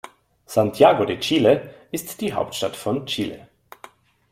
Santiago de Chile ist die Hauptstadt von Chile.